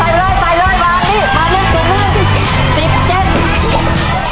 สิบเจ็ดตีแล้วครับโม่ตีแล้วครับ